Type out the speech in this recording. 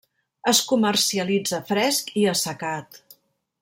Es comercialitza fresc i assecat.